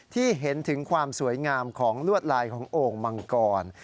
ที่เห็นถึงความสวยงามของลวดลายของโอ่งมังกร